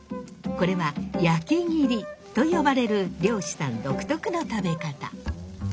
これは焼き切りと呼ばれる漁師さん独特の食べ方。